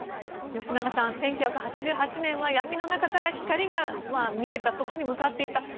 吉永さん、１９８８年は闇の中から光が見えたそこに向かっていった。